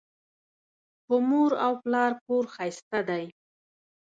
په مور او پلار کور ښایسته دی